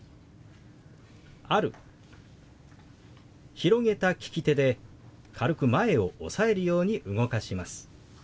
広げた利き手で軽く前を押さえるように動かします。